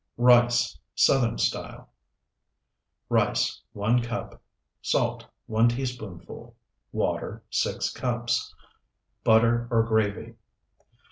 RICE (SOUTHERN STYLE) Rice, 1 cup. Salt, 1 teaspoonful. Water, 6 Cups. Butter or gravy.